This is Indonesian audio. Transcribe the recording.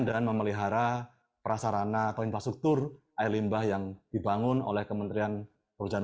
dan memelihara prasarana atau infrastruktur air limbah yang dibangun oleh kementerian perusahaan